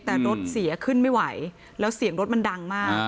แต่รถเสียขึ้นไม่ไหวแล้วเสียงรถมันดังมาก